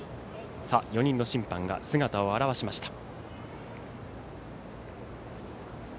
４人の審判が姿を現しました。